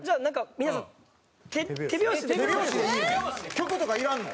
曲とかいらんの？